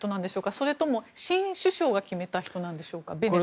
それとも新首相が決めた人なんでしょうか？